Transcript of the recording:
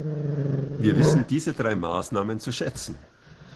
Wir wissen diese drei Maßnahmen zu schätzen.